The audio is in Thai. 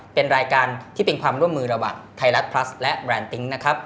เป็นรายการที่เป็นความร่วมมือระหว่างไทยรัฐพลัสและแรนดติ๊งนะครับ